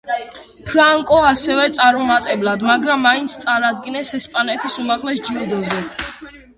ფრანკო ასევე წარუმატებლად მაგრამ მაინც წარადგინეს ესპანეთის უმაღლეს ჯილდოზე.